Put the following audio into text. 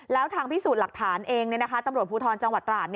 แล้วทางพิสูจน์หลักฐานเองตำรวจภูทรจังหวัดตราด